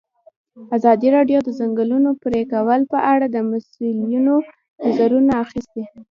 ازادي راډیو د د ځنګلونو پرېکول په اړه د مسؤلینو نظرونه اخیستي.